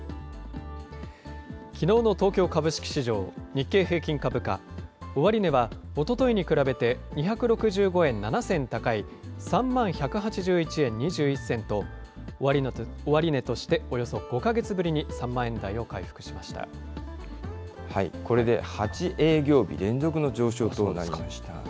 きのうの東京株式市場、日経平均株価、終値はおとといに比べて２６５円７銭高い、３万１８１円２１銭と、終値としておよそ５か月ぶりに３万円台をこれで８営業日連続の上昇となりました。